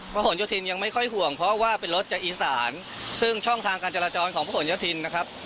หลโยธินยังไม่ค่อยห่วงเพราะว่าเป็นรถจากอีสานซึ่งช่องทางการจราจรของพระขนโยธินนะครับ